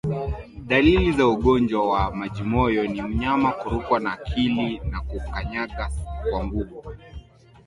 Dalili za ugonjwa wa majimoyo ni mnyama kurukwa na akili na kukanyaga kwa nguvu